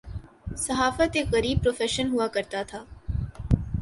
صحافت ایک غریب پروفیشن ہوا کرتاتھا۔